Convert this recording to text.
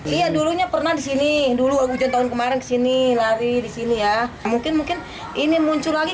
iya dulunya pernah di sini dulu agung kemarin sini lari di sini ya mungkin mungkin ini muncul lagi